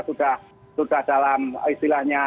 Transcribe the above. sudah dalam istilahnya